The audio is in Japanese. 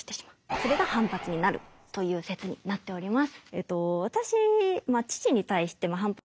それが反発になるという説になっております。